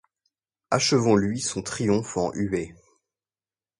Achevons-lui son triomphe en huée.